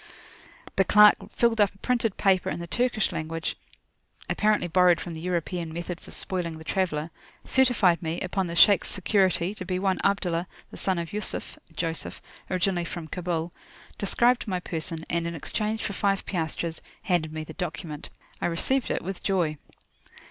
The clerk filled up a printed paper in the Turkish language, apparent1y borrowed from the European method for spoiling the traveller; certified me, upon the Shaykh's security, to be one Abdullah, the son of Yusuf (Joseph), originally from Kabul, described my person, and, in exchange for five piastres, handed me the document. I received it with joy.